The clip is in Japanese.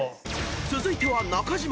［続いては中島。